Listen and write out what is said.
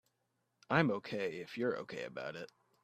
I'm OK if you're OK about it.